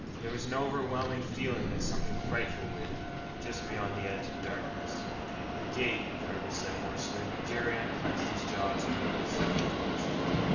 There was an overwhelming feeling that something frightful waited just beyond the edge of darkness. "The gate," Carver said hoarsely. Jerry unclenched his jaws and lit the second torch.